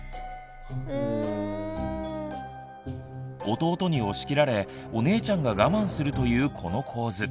弟に押し切られお姉ちゃんが我慢するというこの構図。